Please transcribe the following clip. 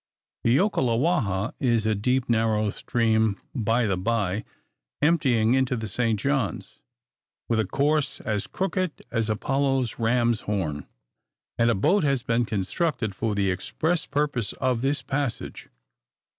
The Okalewaha is a deep, narrow stream, by the by, emptying into the St. John's, with a course as crooked as Apollo's ram's horn; and a boat has been constructed for the express purpose of this passage.